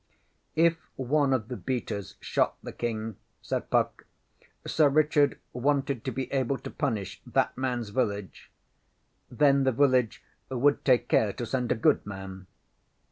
ŌĆÖ ŌĆśIf one of the beaters shot the King, ŌĆÖ said Puck, ŌĆśSir Richard wanted to be able to punish that manŌĆÖs village. Then the village would take care to send a good man.